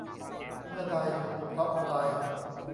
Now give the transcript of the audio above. เมื่อใด เพราะอะไร ?